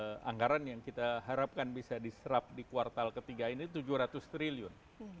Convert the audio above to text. dan tentu anggaran yang kita harapkan bisa diserap di kuartal ketiga ini tujuh ratus triliun